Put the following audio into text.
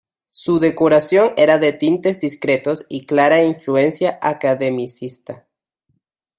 Su decoración era de tintes discretos y clara influencia academicista.